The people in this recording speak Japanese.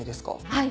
はい！